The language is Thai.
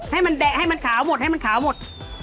ให้มันแดะให้มันขาวหมด